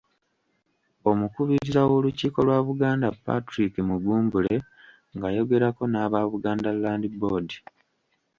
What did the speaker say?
Omukubiriza w’olukiiko lwa Buganda Patrick Mugumbule ng’ayogerako n’aba Buganda Land Board.